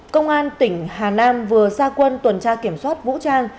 công an tỉnh hà nam vừa ra quân tuần tra kiểm soát vũ trang